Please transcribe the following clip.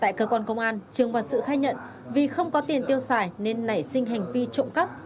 tại cơ quan công an trường và sự khai nhận vì không có tiền tiêu xài nên nảy sinh hành vi trộm cắp